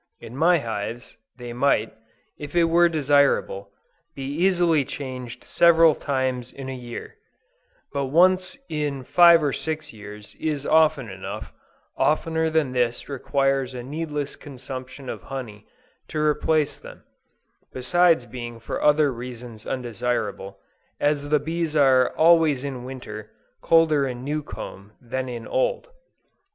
In my hives, they might, if it were desirable, be easily changed several times in a year: but once in five or six years is often enough; oftener than this requires a needless consumption of honey to replace them, besides being for other reasons undesirable, as the bees are always in winter, colder in new comb than in old.